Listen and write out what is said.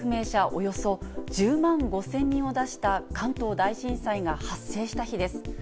およそ１０万５０００人を出した関東大震災が発生した日です。